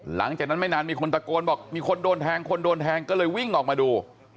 หลังจากนั้นไม่นานมีคนตะโกนบอกมีคนโดนแทงคนโดนแทงก็เลยวิ่งออกมาดู